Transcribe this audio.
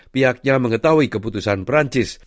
pihaknya mengetahui keputusan perancis